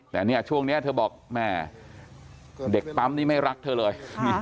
แต่เนี่ยช่วงนี้เธอบอกแม่เด็กปั๊มนี่ไม่รักเธอเลย